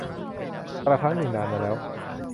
กาลครั้งหนึ่งนานมาแล้ว